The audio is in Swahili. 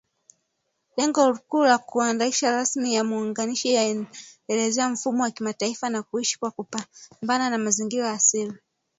Lengo kuu ni kuandaa rasimu ya maandishi inayoelezea mfumo wa kimataifa wa kuishi kwa kupambana na mazingira asili.